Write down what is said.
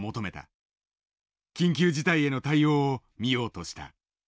緊急事態への対応を見ようとした。